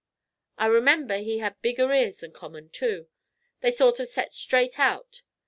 I remember he had bigger ears than common, too; they sort of set straight out.